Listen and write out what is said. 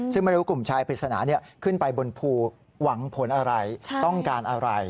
ซึ่งไม่รู้กลุ่มชายปริศนาขึ้นไปบนภูหวังผลอะไรต้องการอะไร